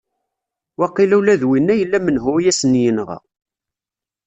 Waqila ula d winna yella menhu i asen-yenɣa!